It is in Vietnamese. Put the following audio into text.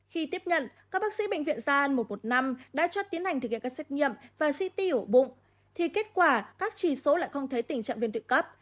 khi tiếp nhận các bác sĩ bệnh viện gia an một trăm một mươi năm đã cho tiến hành thực hiện các xét nghiệm và ct ổ bụng thì kết quả các chỉ số lại không thấy tình trạng viên tự cấp